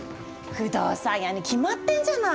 不動産屋に決まってんじゃない。